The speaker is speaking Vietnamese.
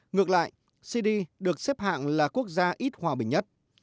ngược lại cd được xếp hạng là quốc gia ít hòa bình nhất